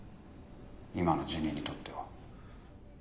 今のジュニにとっては。